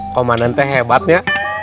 komandan teh hebatnya